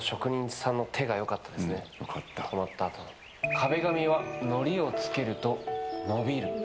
壁紙はのりをつけると伸びる。